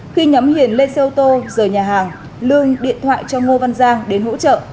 khi nhóm hiền lên xe ô tô rời nhà hàng lương điện thoại cho ngô văn giang đến hỗ trợ